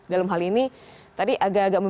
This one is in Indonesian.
dalam hal ini tadi agak agak